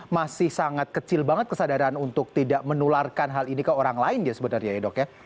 masih sangat kecil banget kesadaran untuk tidak menularkan hal ini ke orang lain ya sebenarnya ya dok ya